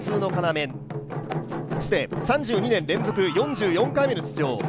３２年連続４４回目の出場。